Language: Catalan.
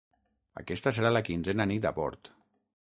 Aquesta serà la quinzena nit a bord.